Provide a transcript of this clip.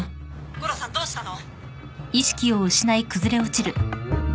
悟郎さんどうしたの？